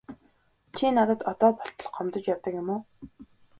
Чи надад одоо болтол гомдож явдаг юм уу?